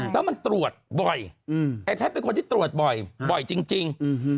แล้วมันตรวจบ่อยไอ้แพทย์เป็นคนที่ตรวจบ่อยจริง